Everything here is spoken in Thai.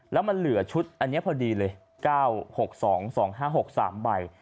แล้วมันเหลือชุดอันนี้พอดีเลย๙๖๒๒๕๖๓ใบ